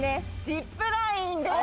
ジップラインです。